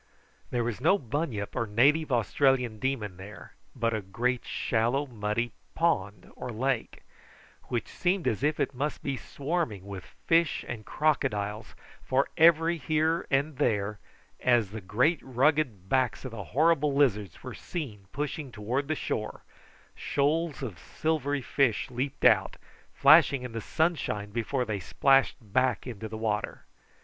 There was no bunyip or native Australian demon there, but a great shallow, muddy pond or lake, which seemed as if it must be swarming with fish and crocodiles, for every here and there, as the great rugged backs of the horrible lizards were seen pushing towards the shore, shoals of silvery fish leaped out, flashing in the sunshine before they splashed back into the water.